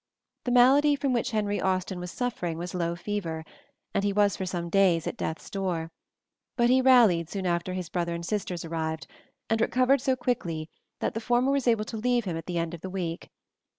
The malady from which Henry Austen was suffering was low fever, and he was for some days at death's door: but he rallied soon after his brother and sisters arrived, and recovered so quickly that the former was able to leave him at the end of the week.